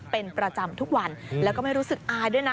เป็นประจำทุกวันแล้วก็ไม่รู้สึกอายด้วยนะ